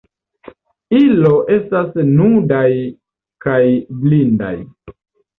Ilo estas nudaj kaj blindaj.